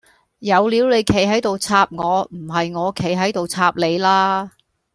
有料你企喺度插我唔係我企喺度插你啦